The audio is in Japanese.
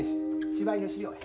芝居の資料や。